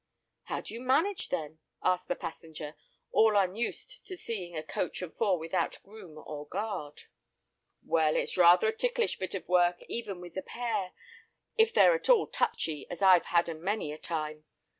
"How do you manage then?" asked the passenger, all unused to seeing a coach and four without groom or guard. "Well, it's rather a ticklish bit of work, even with a pair, if they're at all touchy, as I've had 'em, many a time.